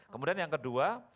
kemudian yang kedua